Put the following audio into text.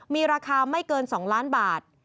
มีราคาไม่เกิน๒ล้านบาท